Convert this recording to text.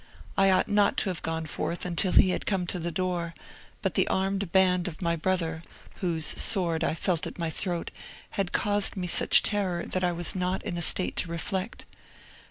I ought not to have gone forth until he had come to the door; but the armed band of my brother, whose sword I felt at my throat, had caused me such terror that I was not in a state to reflect.